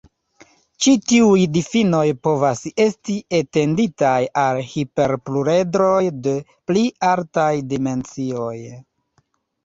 Ĉi tiuj difinoj povas esti etenditaj al hiperpluredroj de pli altaj dimensioj.